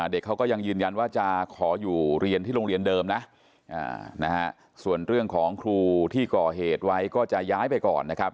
เด็กเขาก็ยังยืนยันว่าจะขออยู่เรียนที่โรงเรียนเดิมนะส่วนเรื่องของครูที่ก่อเหตุไว้ก็จะย้ายไปก่อนนะครับ